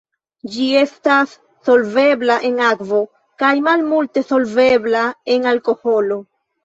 Ĝi estas solvebla en akvo kaj malmulte solvebla en alkoholo.